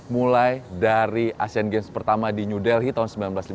mulai dari asean games pertama di new delhi tahun seribu sembilan ratus lima puluh